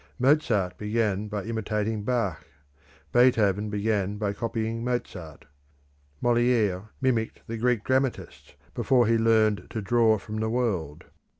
Mozart began by imitating Bach; Beethoven began by copying Mozart. Moličre mimicked the Greek dramatists before he learnt to draw from the world.